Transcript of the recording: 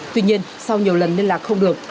tuy nhiên sau nhiều lần liên lạc không được